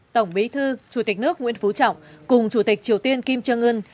tổng bí thư chủ tịch nước nguyễn phú trọng cùng chủ tịch triều tiên kim trương ngân